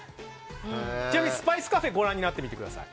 ちなみにスパイスカフェご覧になってください。